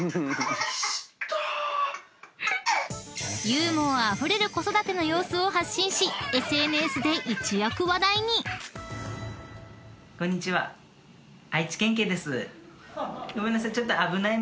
［ユーモアあふれる子育ての様子を発信しＳＮＳで一躍話題に］ごめんなさい。